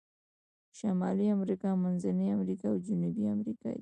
شمالي امریکا، منځنۍ امریکا او جنوبي امریکا دي.